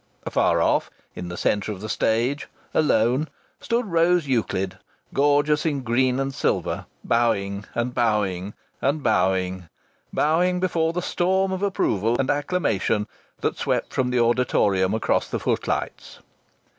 Afar off, in the centre of the stage, alone, stood Rose Euclid, gorgeous in green and silver, bowing and bowing and bowing bowing before the storm of approval and acclamation that swept from the auditorium across the footlights.